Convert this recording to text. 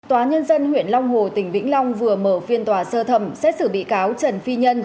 tòa nhân dân huyện long hồ tỉnh vĩnh long vừa mở phiên tòa sơ thẩm xét xử bị cáo trần phi nhân